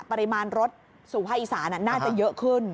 ปริมาณรถสู่ภาคอีสานน่าจะเยอะขึ้น